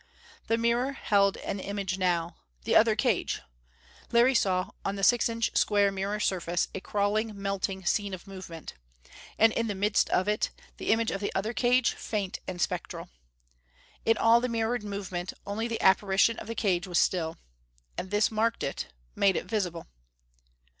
The mirror held an image now the other cage. Larry saw, on the six inch square mirror surface, a crawling, melting scene of movement. And in the midst of it, the image of the other cage, faint and spectral. In all the mirrored movement, only the apparition of the cage was still. And this marked it; made it visible.